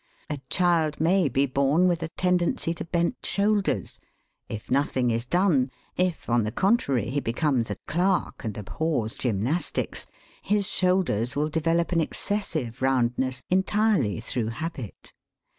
A child may be born with a tendency to bent shoulders. If nothing is done, if on the contrary he becomes a clerk and abhors gymnastics, his shoulders will develop an excessive roundness, entirely through habit.